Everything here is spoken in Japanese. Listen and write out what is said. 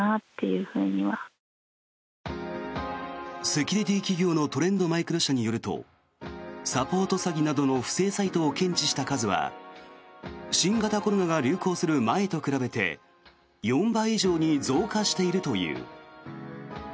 セキュリティー企業のトレンドマイクロ社によるとサポート詐欺などの不正サイトを検知した数は新型コロナが流行する前と比べて４倍以上に増加しているという。